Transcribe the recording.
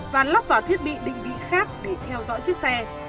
và lắp vào thiết bị định vị khác để theo dõi chiếc xe